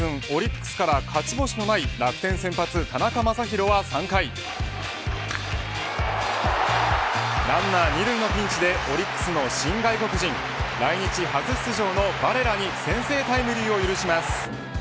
オリックスから勝ち星のない楽天先発田中将大は３回ランナー２塁のピンチでオリックスの新外国人来日初出場のバレラに先制タイムリーを許します。